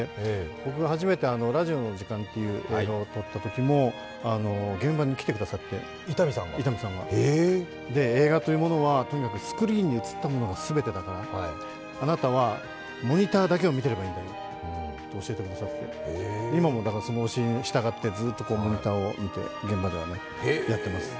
僕が初めて「ラヂオの時間」という映画を撮ったときも現場に来てくださって、映画というものはとにかくスクリーンに映ったものが全てだから、あなたは、モニターだけを見て入ればいいと教えてくださって今もだからその教えに従ってずっとモニターを見て、現場では、やってます